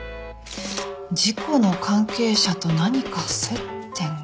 事故の関係者と何か接点が。